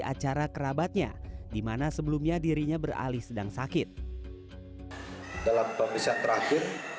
acara kerabatnya dimana sebelumnya dirinya beralih sedang sakit dalam pemeriksaan terakhir